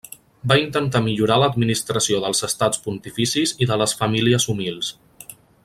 Va intentar millorar l'administració dels Estats Pontificis i de les famílies humils.